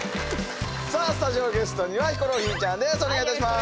さあスタジオゲストにはヒコロヒーちゃんです